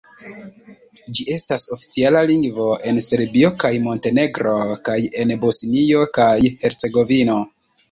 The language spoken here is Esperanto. Ĝi estas oficiala lingvo en Serbio kaj Montenegro kaj en Bosnio kaj Hercegovino.